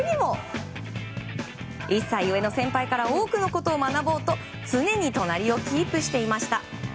１歳上の先輩から多くのことを学ぼうと常に隣をキープしていました。